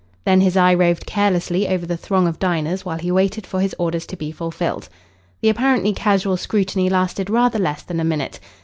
Then his eye roved carelessly over the throng of diners while he waited for his orders to be fulfilled. The apparently casual scrutiny lasted rather less than a minute.